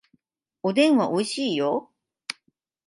おでんはおいしいよ